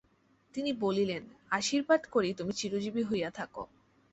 তিনি বলিলেন, আশীর্বাদ করি তুমি চিরজীবী হইয়া থাকো।